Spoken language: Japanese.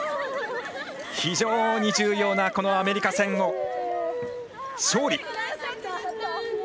非常に重要なこのアメリカ戦を勝利。